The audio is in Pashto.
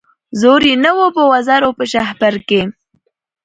زور یې نه وو په وزر او په شهپر کي